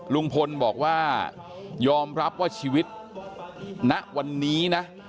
ลุงพลบอกว่ายอมรับว่าชีวิตณวันนี้นะ